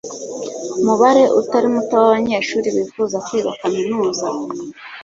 Umubare utari muto wabanyeshuri bifuza kwiga kaminuza.